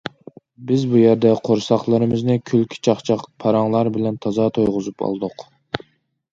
بىز بۇ يەردە قورساقلىرىمىزنى كۈلكە چاقچاق، پاراڭلار بىلەن تازا تويغۇزۇپ ئالدۇق.